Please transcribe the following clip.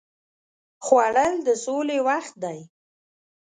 خوړل د سولې وخت دی